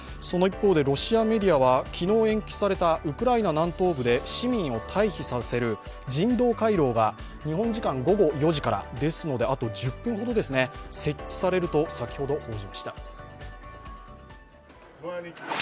その一方でロシアメディアは昨日延期されたウクライナ南東部で市民を退避させる人道回廊が日本時間午後４時から、ですのであと１０分ほどで設置されると先ほど報じました。